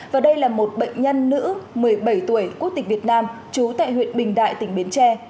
và đây là một bệnh nhân nữ một mươi bảy tuổi quốc tịch việt nam trú tại huyện bình đại tỉnh bến tre